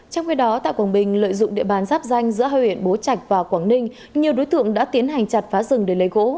trong khi đó tại quảng bình lợi dụng địa bàn giáp danh giữa hai huyện bố trạch và quảng ninh nhiều đối tượng đã tiến hành chặt phá rừng để lấy gỗ